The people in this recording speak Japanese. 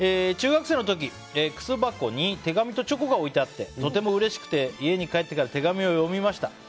中学生の時、靴箱に手紙とチョコが置いてあってとてもうれしくて家に帰ってから手紙を読みました。